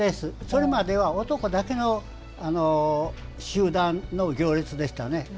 それまでは男だけの集団の行列でしたね。